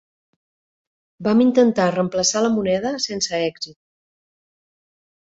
Vam intentar reemplaçar la moneda sense èxit.